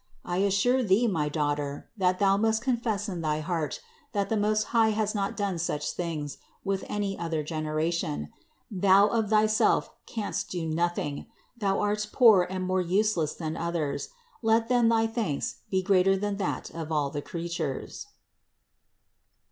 I assure thee, my daugh ter, that thou must confess in thy heart, that the Most High has not done such things with any other genera tion; thou of thyself canst do nothing; thou art poor and more useless than others. Let then thy thanks be greater than that of all the creatures.